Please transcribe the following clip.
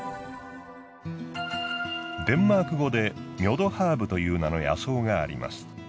デンマーク語でミョドハーブという名の野草があります。